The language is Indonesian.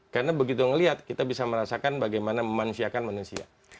karena begitu ngelihat kita bisa merasakan bagaimana memanusiakan manusia